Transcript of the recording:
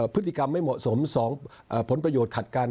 พฤติกรรมไม่เหมาะสม๒ผลประโยชน์ขัดกัน